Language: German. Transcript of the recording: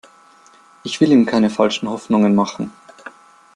Ich will ihm keine falschen Hoffnungen machen.